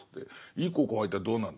「いい高校入ったらどうなるんだ」。